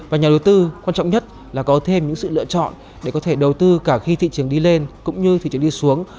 và nhà đầu tư quan trọng nhất là có thêm những sự lựa chọn để có thể đầu tư cả khi thị trường đi lên cũng như thị trường đi xuống